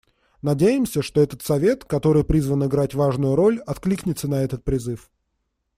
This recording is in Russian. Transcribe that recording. Надеемся, что этот Совет, который призван играть важную роль, откликнется на этот призыв.